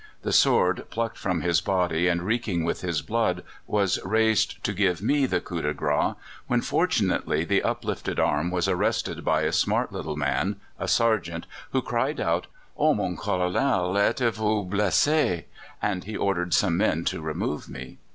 The sword, plucked from his body and reeking with his blood, was raised to give me the coup de grâce, when, fortunately, the uplifted arm was arrested by a smart little man a sergeant who cried out: "'Oh, mon Colonel, êtes vous blessé?' and he ordered some men to remove me."